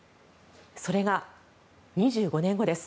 それが２５年後です。